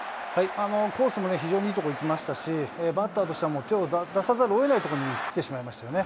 コースも非常にいい所行きましたし、バッターとしても、手を出さざるをえない所に来てしまいましたよね。